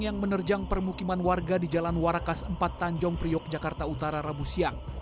yang menerjang permukiman warga di jalan warakas empat tanjung priok jakarta utara rabu siang